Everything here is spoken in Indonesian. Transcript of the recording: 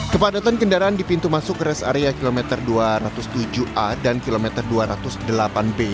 kepadatan kendaraan di pintu masuk rest area kilometer dua ratus tujuh a dan kilometer dua ratus delapan b